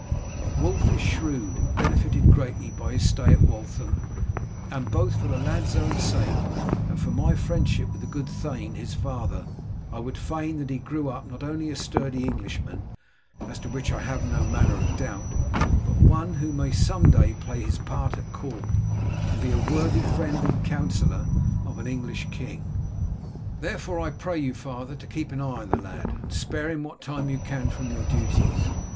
But Wulf is shrewd, and benefited greatly by his stay at Waltham, and both for the lad's own sake and for my friendship with the good thane, his father, I would fain that he grew up not only a sturdy Englishman, as to which I have no manner of doubt, but one who may some day play his part at court, and be a worthy friend and counsellor of an English king. Therefore I pray you, father, to keep an eye on the lad, and spare him what time you can from your duties.